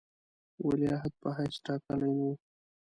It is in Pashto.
ولیعهد په حیث ټاکلی نه وو.